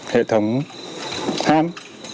hệ thống hãm